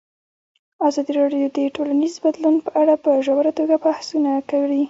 ازادي راډیو د ټولنیز بدلون په اړه په ژوره توګه بحثونه کړي.